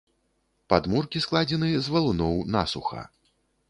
Падмуркі складзены з валуноў насуха.